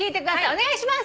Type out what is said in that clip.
お願いします！